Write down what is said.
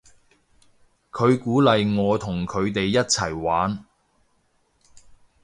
佢鼓勵我同佢哋一齊玩